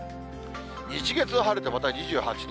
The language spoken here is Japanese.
日、月は晴れて、また２８度。